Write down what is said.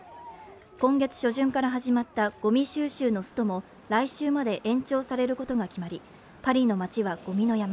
今月初旬から始まったごみ収集のストも来週まで延長されることが決まり、パリの街はごみの山。